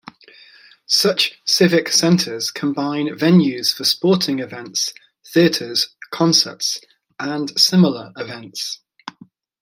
Such "Civic Centers" combine venues for sporting events, theaters, concerts and similar events.